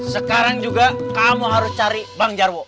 sekarang juga kamu harus cari bang jarwo